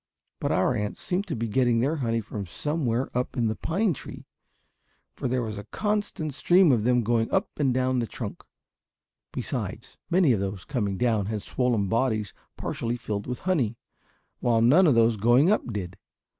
But our ants seemed to be getting their honey from somewhere up in the pine tree, for there was a constant stream of them going up and down the trunk. Besides, many of those coming down had swollen bodies partially filled with honey, while none of those going up did.